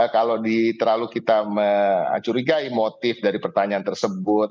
kalau terlalu kita mencurigai motif dari pertanyaan tersebut